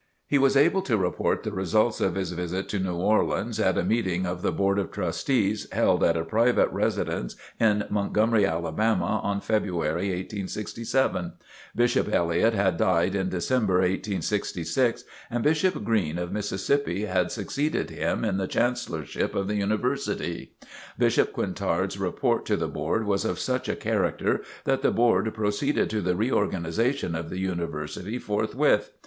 He was able to report the results of his visit to New Orleans, at a meeting of the Board of Trustees held at a private residence in Montgomery, Alabama, in February, 1867. Bishop Elliott had died in December, 1866, and Bishop Green, of Mississippi, had succeeded him in the Chancellorship of the University. Bishop Quintard's report to the Board was of such a character that the Board proceeded to the reorganization of the University forthwith.